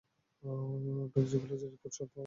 Toxicology রিপোর্টে সব পাওয়া গেছে।